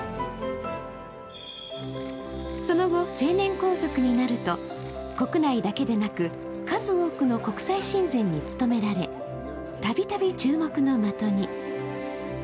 その後、成年皇族になると国内だけでなく数多くの国際親善に務められ、たびたび注目の的に。